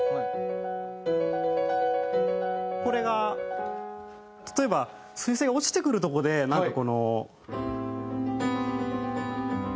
これが例えば彗星が落ちてくるとこでなんかこの。